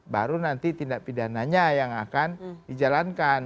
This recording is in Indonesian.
baru nanti tindak pidananya yang akan dijalankan